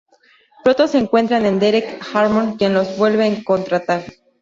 Pronto se encuentran con Derek Hammond, quien los vuelve a contratar.